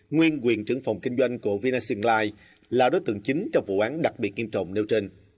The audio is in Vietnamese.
nguyên quyền trưởng phòng kinh doanh của vinasion life là đối tượng chính trong vụ án đặc biệt nghiêm trọng nêu trên